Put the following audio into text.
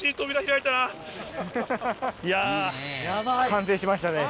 完成しましたね。